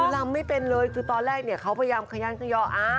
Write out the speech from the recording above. ลำไม่เป็นเลยคือตอนแรกเนี่ยเขาพยายามขยันขย่อ